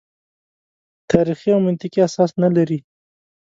تاریخي او منطقي اساس نه لري.